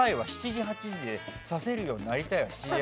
７時８時を指せるようになりたいわ。